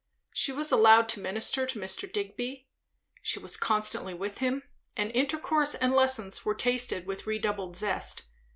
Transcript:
She was allowed to minister to Mr. Digby, she was constantly with him, and intercourse and lessons were tasted with redoubled zest.